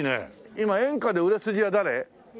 今演歌で売れ筋は誰？